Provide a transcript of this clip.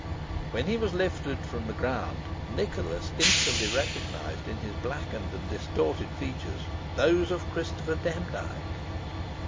When he was lifted from the ground, Nicholas instantly recognised in his blackened and distorted features those of Christopher Demdike.